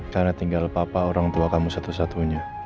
karena tinggal papa orang tua kamu satu satunya